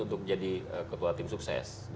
untuk jadi ketua tim sukses